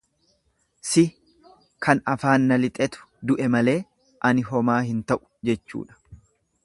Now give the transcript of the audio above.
Si kan afaan na lixetu du'e malee ani homaa hin ta'u jechuudha.